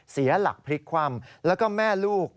เสียหลักพลิกคว่ำแล้วก็แม่ลูก